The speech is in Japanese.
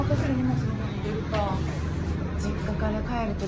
実家から帰るとき